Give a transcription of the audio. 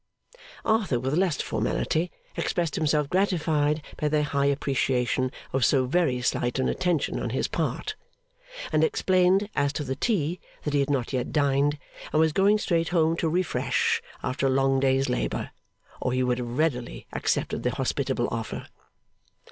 Arthur, with less formality, expressed himself gratified by their high appreciation of so very slight an attention on his part; and explained as to the tea that he had not yet dined, and was going straight home to refresh after a long day's labour, or he would have readily accepted the hospitable offer.